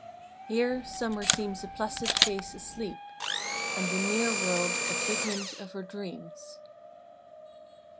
Here Summer seems a placid face asleep, And the near world a figment of her dreams.